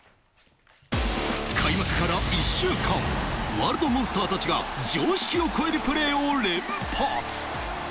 開幕から１週間、ワールドモンスターたちが常識を超えるプレーを連発！